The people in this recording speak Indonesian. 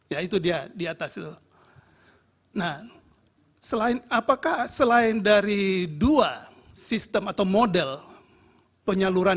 ya itu dia di atas itu nah selain apakah selain dari dua sistem atau model penyaluran